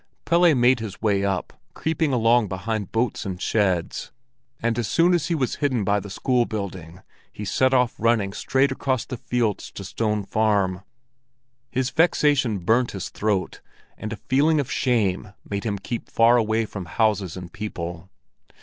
Pelle made his way up, creeping along behind boats and sheds; and as soon as he was hidden by the school building, he set off running straight across the fields to Stone Farm. His vexation burnt his throat, and a feeling of shame made him keep far away from houses and people.